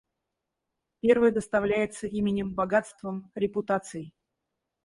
Первый доставляется именем, богатством, репутацией.